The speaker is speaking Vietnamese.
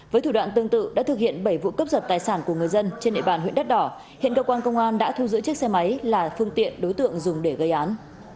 với thủ đoạn tương tự đã thực hiện bảy vụ cướp giật tài sản của người dân trên địa bàn huyện đất đỏ hiện cơ quan công an đã thu giữ chiếc xe máy là phương tiện đối tượng dùng để gây án